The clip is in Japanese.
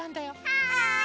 はい！